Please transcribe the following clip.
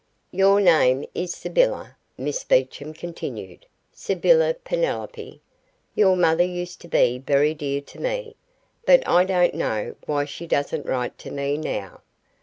"Your name is Sybylla," Miss Beecham continued, "Sybylla Penelope. Your mother used to be very dear to me, but I don't know why she doesn't write to me now.